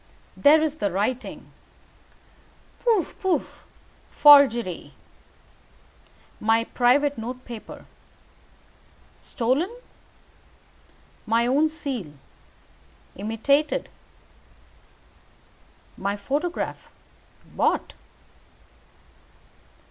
"There is the writing." "Pooh pooh! Forgery." "My private note paper." "Stolen." "My own seal." "Imitated." "My photograph." "Bought."